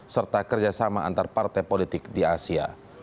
serta kerjasama antar partai politik di asia